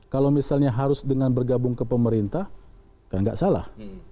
kalau misalnya harus dengan bergabung ke pemerintah kan nggak salah